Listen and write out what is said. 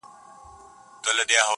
o څنگه دي وستايمه.